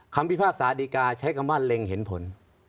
คำวิภาคสาธิกาใช้คำว่าเร็งเห็นผล